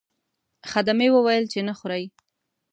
خدمې وویل چې نه خورئ.